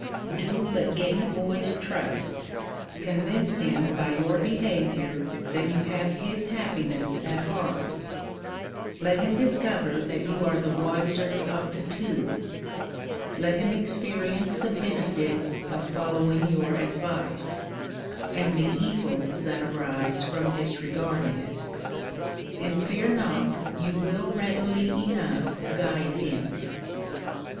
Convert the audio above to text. Do but gain a boys trust; t convince him by your behaviour that you have his happiness at I heart; let him discover that you are the wiser of the two ; let him experience the benefits of following your advice, and the evils that arise from disregarding it; and fear not you will readily enough guide him.